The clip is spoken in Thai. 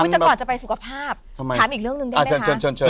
อุ๊ยจากก่อนจะไปสุขภาพถามอีกเรื่องนึงได้ไหมคะ